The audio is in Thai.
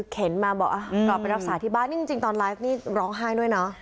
เห็นมาก็ไปรักษาที่บ้านจริงตอนไลฟ์นี่ร้องไห้ด้วยนะ